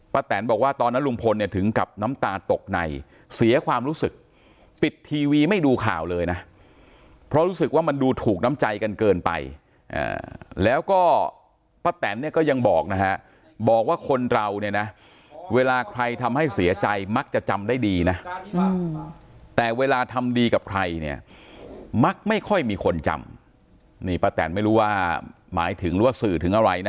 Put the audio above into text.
แตนบอกว่าตอนนั้นลุงพลเนี่ยถึงกับน้ำตาตกในเสียความรู้สึกปิดทีวีไม่ดูข่าวเลยนะเพราะรู้สึกว่ามันดูถูกน้ำใจกันเกินไปแล้วก็ป้าแตนเนี่ยก็ยังบอกนะฮะบอกว่าคนเราเนี่ยนะเวลาใครทำให้เสียใจมักจะจำได้ดีนะแต่เวลาทำดีกับใครเนี่ยมักไม่ค่อยมีคนจำนี่ป้าแตนไม่รู้ว่าหมายถึงหรือว่าสื่อถึงอะไรนะ